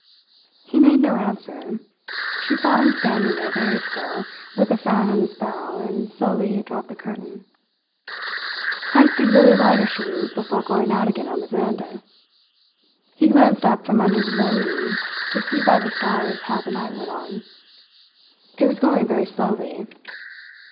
He made no answer. She saw him standing there, very still, with a frown on his brow, and slowly dropped the curtain. Heyst did really light a cheroot before going out again on the veranda. He glanced up from under the low eaves, to see by the stars how the night went on. It was going very slowly.